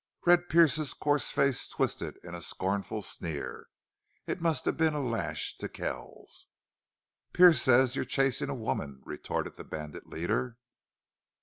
Red Pearce's coarse face twisted into a scornful sneer. It must have been a lash to Kells. "Pearce says you're chasing a woman," retorted the bandit leader.